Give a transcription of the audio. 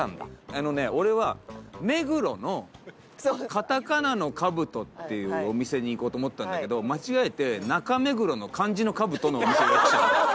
あのね俺は目黒のカタカナの「カブト」っていうお店に行こうと思ったんだけど間違えて中目黒の漢字の「兜」のお店を予約したの。